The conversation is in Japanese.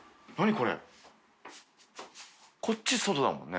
狩野）こっち外だもんね？